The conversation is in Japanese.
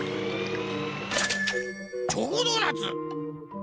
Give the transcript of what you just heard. チョコドーナツ。